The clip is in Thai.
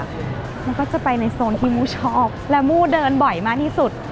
มันก็จะไปในโซนที่มูชอบและมู้เดินบ่อยมากที่สุด